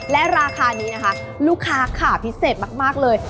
และราคานี้นะคะลูกค้าขาพิเศษมากเลย